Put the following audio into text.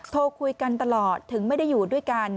โทรคุยกันตลอดถึงไม่ได้อยู่ด้วยกัน